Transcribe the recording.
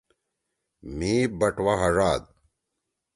مھی بٹوا ہڙاد۔